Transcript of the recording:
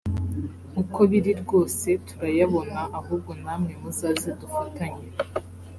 uko biri rwose turayabona ahubwo namwe muzaze dufatanye